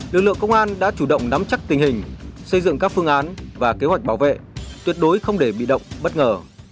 lực lượng công an đã chủ động nắm chắc tình hình xây dựng các phương án và kế hoạch bảo vệ tuyệt đối không để bị động bất ngờ